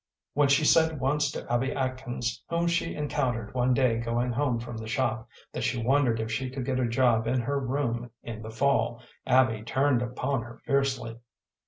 When she said once to Abby Atkins, whom she encountered one day going home from the shop, that she wondered if she could get a job in her room in the fall, Abby turned upon her fiercely.